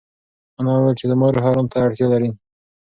انا وویل چې زما روح ارام ته اړتیا لري.